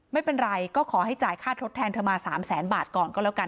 ไม่เป็นไรก็ขอให้จ่ายค่าทดแทนเธอมา๓แสนบาทก่อนก็แล้วกัน